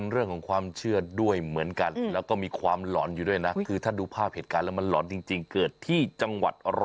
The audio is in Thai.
เรื่องของความเชื่อด้วยเหมือนกันแล้วก็มีความหลอนอยู่ด้วยนะคือถ้าดูภาพเหตุการณ์แล้วมันหลอนจริงเกิดที่จังหวัด๑๐